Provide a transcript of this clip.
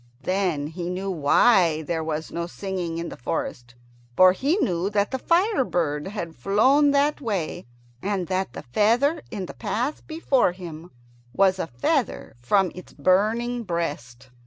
Then he knew why there was no singing in the forest. For he knew that the fire bird had flown that way, and that the feather in the path before him was a feather from its burning breast.